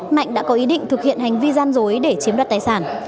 mạnh đã có ý định thực hiện hành vi gian dối để chiếm đoạt tài sản